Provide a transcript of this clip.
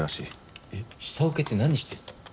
えっ下請けって何してるの？